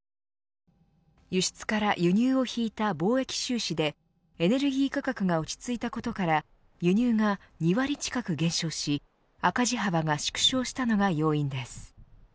輸出から輸入を引いた貿易収支でエネルギー価格が落ち着いたことから輸入が２割近く減少し赤字幅が縮小したのが要因です。